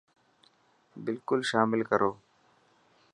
بلڪل شامل ڪرو.